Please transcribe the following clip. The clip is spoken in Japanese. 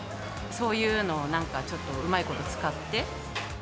そういうのをなんかちょっとうまいこと使って。